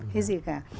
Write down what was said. hay gì cả